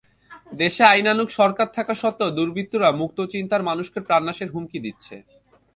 দেশে আইনানুগ সরকার থাকা সত্ত্বেও দুর্বৃত্তরা মুক্তচিন্তার মানুষকে প্রাণনাশের হুমকি দিচ্ছে।